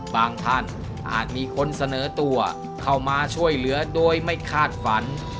ท่านอาจมีคนเสนอตัวเข้ามาช่วยเหลือโดยไม่คาดฝัน